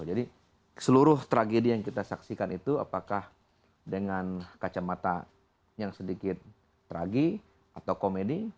jadi seluruh tragedi yang kita saksikan itu apakah dengan kacamata yang sedikit tragik atau komedi